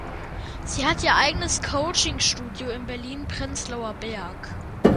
Sie hat ihr eigenes Coaching Studio in Berlin-Prenzlauer Berg.